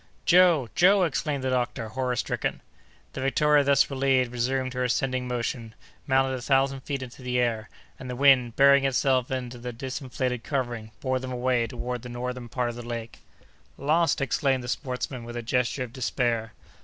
"Joe! Joe!" exclaimed the doctor, horror stricken. The Victoria thus relieved resumed her ascending motion, mounted a thousand feet into the air, and the wind, burying itself in the disinflated covering, bore them away toward the northern part of the lake. "Lost!" exclaimed the sportsman, with a gesture of despair.